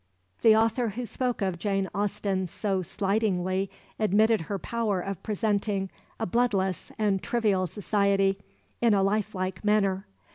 The author who spoke of Jane Austen so slightingly admitted her power of presenting a "bloodless" and trivial society in a life like manner.